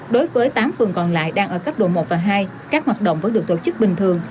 đối với tám phường còn lại đang ở cấp độ một và hai các hoạt động vẫn được tổ chức bình thường